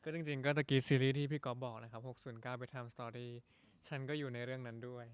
จริงก็เมื่อกี้ซีรีส์ที่พี่ก๊อฟบอกนะครับ๖๐๙ไปทำสตอรี่ฉันก็อยู่ในเรื่องนั้นด้วย